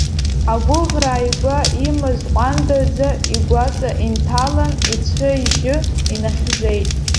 Агәыӷра ааигәа имаз ҟәандаӡа игәаҵа инҭалан, ицәа-ижьы инахьӡеит.